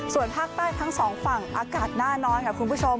ส่วนภาคใต้ทั้งสองฝั่งอากาศหน้านอนค่ะคุณผู้ชม